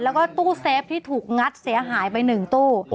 แล้วก็ตู้เซฟที่ถูกงัดเสียหายไป๑ตู้